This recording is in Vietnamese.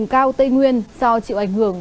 cao tây nguyên do chịu ảnh hưởng